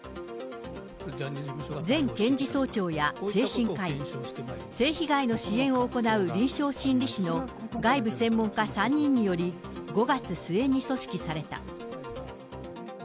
前検事総長や精神科医、性被害の支援を行う臨床心理士の外部専門家３人により、５月末に組織された。